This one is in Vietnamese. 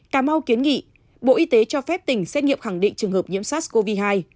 cà mau kiến nghị bộ y tế cho phép tỉnh xét nghiệm khẳng định trường hợp nhiễm sars cov hai